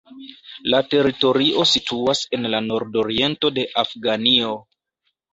La teritorio situas en la nordoriento de Afganio.